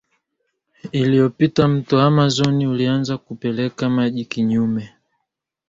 iliyopita Mto Amazon ulianza kupekeka maji kinyume